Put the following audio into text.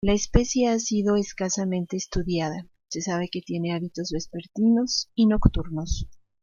La especie ha sido escasamente estudiada, se sabe que tiene hábitos vespertinos y nocturnos.